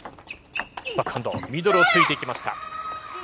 バックハンド、ミドルを突いていきました。